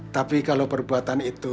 tapi kalau perbuatan itu